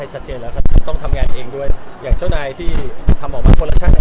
ชัดเจนแล้วครับต้องทำงานเองด้วยอย่างเจ้านายที่ทำออกมาคนละข้าง